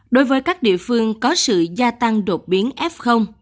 đối với các địa phương có sự gia tăng đột biến f